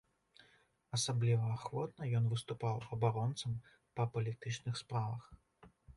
Асабліва ахвотна ён выступаў абаронцам па палітычных справах.